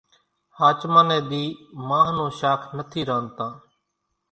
ۿاچمان ني ۮي مانۿ نون شاک نٿي رانڌتان